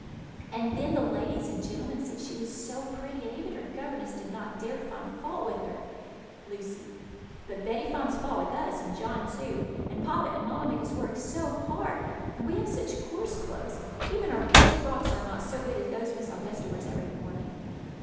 _ "And then the ladies and gentlemen said she was so pretty, and even her governess did not dare to find fault with her!" Lucy. "But Betty finds fault with us, and John, too; and papa and mamma make us work so hard! and we have such coarse clothes! Even our best frocks are not so good as those Miss Augusta wears every morning."